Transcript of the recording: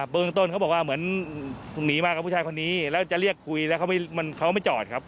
เบื้องต้นเขาบอกว่าเหมือนหนีมากับผู้ชายคนนี้แล้วจะเรียกคุยแล้วเขาไม่จอดครับ